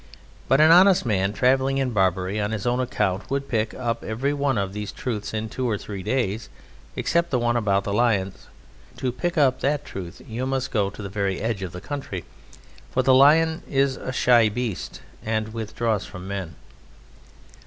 But an honest man travelling in Barbary on his own account would pick up every one of these truths in two or three days, except the one about the lions; to pick up that truth you must go to the very edge of the country, for the lion is a shy beast and withdraws from men.